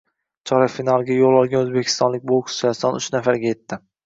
Chorak finalga yo‘l olgan o‘zbekistonlik bokschilar soni uch nafarga yetdi